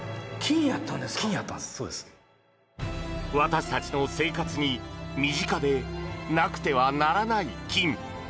私たちの生活に身近でなくてはならない金。